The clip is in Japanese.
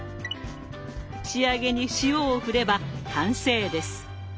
仕上げに塩を振れば完成です。